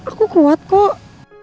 aku kuat kok